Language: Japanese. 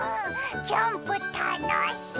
キャンプたのしい！